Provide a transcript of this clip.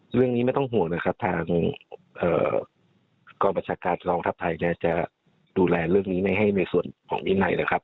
เรื่องนี้ไม่ต้องห่วงนะครับทางกองประชาการกองทัพไทยเนี่ยจะดูแลเรื่องนี้ให้ในส่วนของวินัยนะครับ